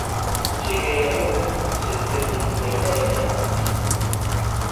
Cheguei aló sen ter ningunha idea de arte.